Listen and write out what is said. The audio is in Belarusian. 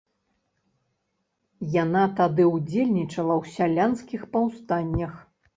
Яна тады ўдзельнічала ў сялянскіх паўстаннях.